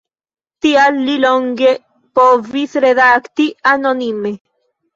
Tial li longe povis redakti anonime.